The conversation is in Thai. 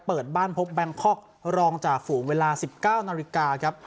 เปิดบ้านพบแบงคอกรองจ่าฝูงเวลา๑๙นาฬิกาครับ